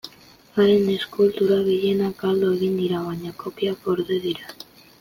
Haren eskultura gehienak galdu egin dira baina kopiak gorde dira.